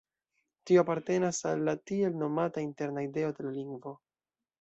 Tio apartenas al la tiel nomata interna ideo de la lingvo.